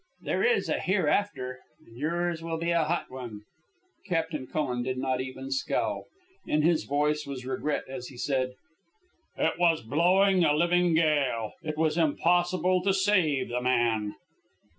There is a hereafter, and yours will be a hot one." Captain Cullen did not even scowl. In his voice was regret as he said "It was blowing a living gale. It was impossible to save the man."